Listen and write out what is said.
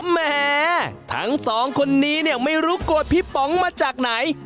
แหมทั้งสองคนนี้เนี่ยไม่รู้โกรธพี่ป๋องมาจากไหน